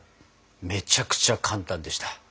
めちゃくちゃ簡単でした。